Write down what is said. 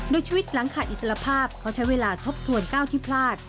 โดยชีวิตหลังขาดอิสระภาพเขาใช้เวลาทบทวนก้าวที่พลาด